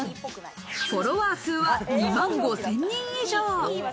フォロワー数は２万５０００人以上。